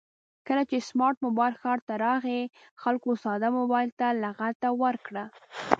کله چې سمارټ مبایل ښار ته راغی خلکو ساده مبایل ته لغته ورکړه